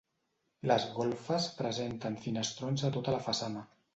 Les golfes presenten finestrons a tota la façana.